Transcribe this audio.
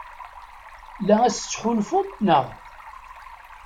La as-tettḥulfum, naɣ?